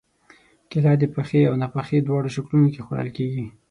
کېله د پخې او ناپخې دواړو شکلونو کې خوړل کېږي.